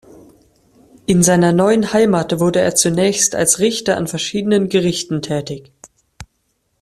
In seiner neuen Heimat wurde er zunächst als Richter an verschiedenen Gerichten tätig.